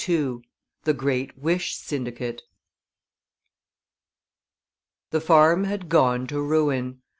II THE GREAT WISH SYNDICATE The farm had gone to ruin.